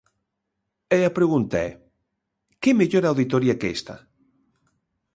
E a pregunta é, ¿que mellor auditoría que esta?